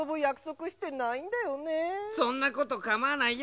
そんなことかまわないよ